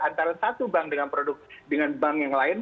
antara satu bank dengan bank yang lain